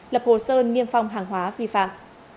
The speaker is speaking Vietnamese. lập hồ sơn nghiêm phong hàng hóa vi phạm